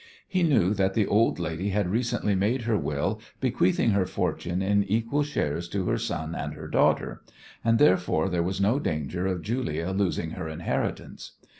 He knew that the old lady had recently made her will bequeathing her fortune in equal shares to her son and her daughter, and, therefore, there was no danger of Julia losing her inheritance.